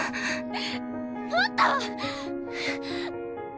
もっと。